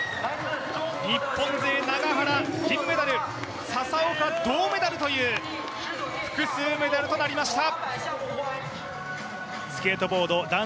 日本勢、永原銀メダル笹岡銅メダルという複数メダルとなりました。